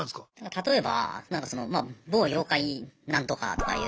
例えばなんかそのまあ「某妖怪何とか」とかいう。